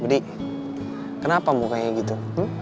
budi kenapa mukanya gitu